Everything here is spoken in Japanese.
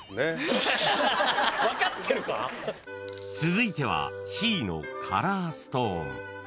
［続いてはＣのカラーストーン］